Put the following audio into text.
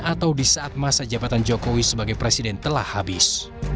atau di saat masa jabatan jokowi sebagai presiden telah habis